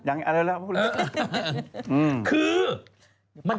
ยังอะไรก็เล่า